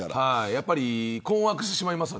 やっぱり困惑してしまいます。